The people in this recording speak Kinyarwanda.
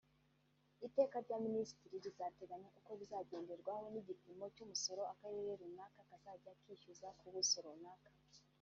Iteka rya Minisitiri rizateganya uko ibizagenderwaho n’igipimo cy’umusoro akarere runaka kazajya kishyuza ku buso runaka